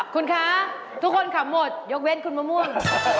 คุณคะทุกคนขำหมดยกเว้นคุณมะม่วง